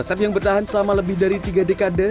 asap yang bertahan selama lebih dari tiga dekade